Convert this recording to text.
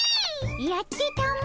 やってたも。